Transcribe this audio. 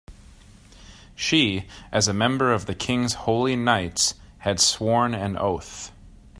She, as a member of the king's holy knights, had sworn an oath.